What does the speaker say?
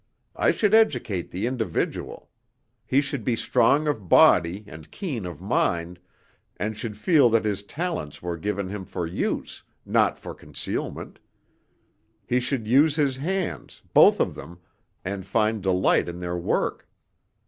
I should educate the individual; he should be strong of body and keen of mind, and should feel that his talents were given him for use, not for concealment; he should use his hands, both of them, and find delight in their work.